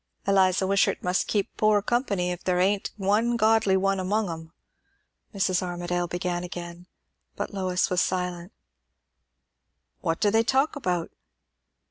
"Eliza Wishart must keep poor company, if there ain't one godly one among 'em," Mrs. Armadale began again. But Lois was silent. "What do they talk about?"